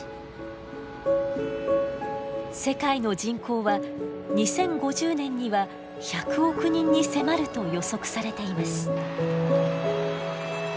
世界の人口は２０５０年には１００億人に迫ると予測されています。